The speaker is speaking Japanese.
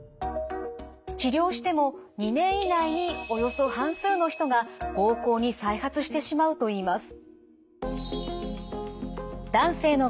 治療しても２年以内におよそ半数の人が膀胱に再発してしまうといいます。